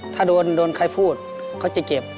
ถ้าโดนใครพูดเขาจะเจ็บ